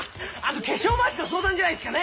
化粧まわしの相談じゃないですかね！？